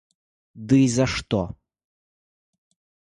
Ды і за што?